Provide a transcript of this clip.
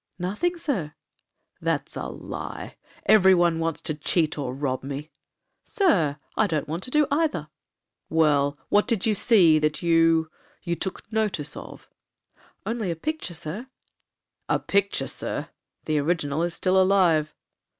'Nothing, Sir.' 'That's a lie; every one wants to cheat or to rob me.' 'Sir, I don't want to do either.' 'Well, what did you see that you—you took notice of?' 'Only a picture, Sir.' 'A picture, Sir!—the original is still alive.'